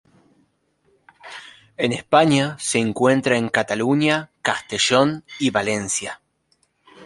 En España se encuentra en Cataluña, Castellón y Valencia.